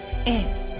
ええ。